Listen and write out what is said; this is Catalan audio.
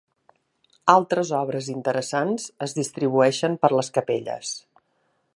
Altres obres interessants es distribueixen per les capelles.